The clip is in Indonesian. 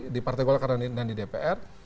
di partai golkar dan di dpr